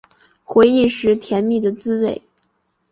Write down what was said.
回忆时甜蜜的滋味